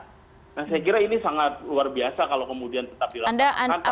nah saya kira ini sangat luar biasa kalau kemudian tetap dilaksanakan